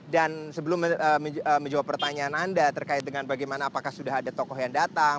dan sebelum menjawab pertanyaan anda terkait dengan bagaimana apakah sudah ada tokoh yang datang